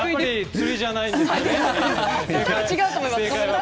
釣りじゃないですよね。